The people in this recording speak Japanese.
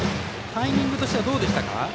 タイミングとしてはどうでしたか？